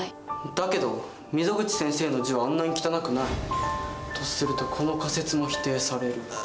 だけど溝口先生の字はあんなに汚くない。とするとこの仮説も否定される。